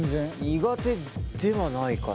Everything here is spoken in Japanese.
苦手ではないかな。